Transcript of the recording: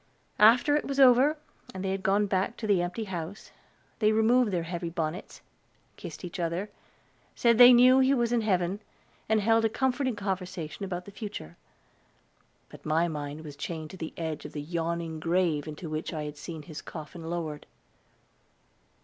After it was over, and they had gone back to the empty house, they removed their heavy bonnets, kissed each other, said they knew that he was in heaven, and held a comforting conversation about the future; but my mind was chained to the edge of the yawning grave into which I had seen his coffin lowered.